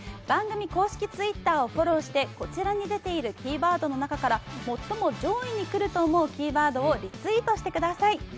番組公式Ｔｗｉｔｔｅｒをフォローして、こちらに出ているキーワードの中から最も上位に来ると思うキーワードをリツイートしてください。